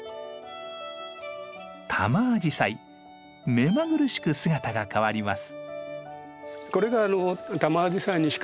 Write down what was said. タマアジサイ目まぐるしく姿が変わります。